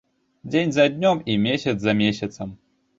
Дзень за днём і месяц за месяцам.